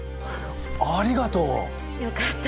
ありがとう！よかったです。